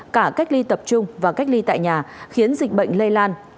cả cách ly tập trung và cách ly tại nhà khiến dịch bệnh lây lan